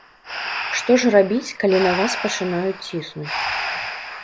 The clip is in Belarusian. Што ж рабіць, калі на вас пачынаюць ціснуць?